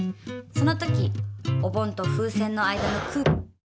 その時お盆と風船の間のくう。